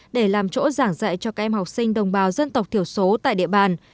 để làm chỗ giảng dạy cho các em học sinh đồng bào dân tộc thiểu số tại địa bàn